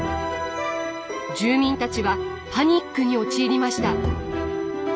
住民たちはパニックに陥りました。